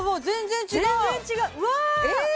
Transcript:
全然違ううわあ！